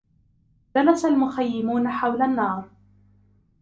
جلس المخيّمون حول النّار.